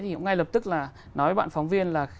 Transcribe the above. thì cũng ngay lập tức là nói với bạn phóng viên là